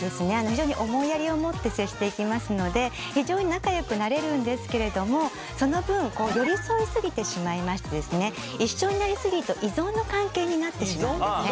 非常に思いやりを持って接していきますので非常に仲良くなれるんですけれどもその分寄り添いすぎてしまいまして一緒になりすぎると依存の関係になってしまうんですね。